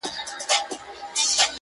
پرون دي بيا راڅه خوښي يووړله,